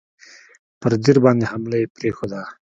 پر دیر باندي حمله یې پرېښوده.